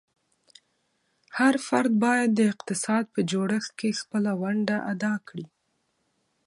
هر فرد باید د اقتصاد په جوړښت کې خپله ونډه ادا کړي.